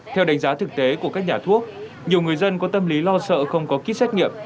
theo đánh giá thực tế của các nhà thuốc nhiều người dân có tâm lý lo sợ không có kýt xét nghiệm